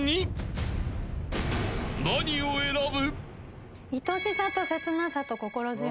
［何を選ぶ？］